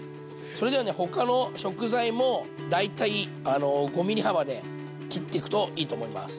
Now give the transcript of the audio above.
それではね他の食材も大体５ｍｍ幅で切っていくといいと思います。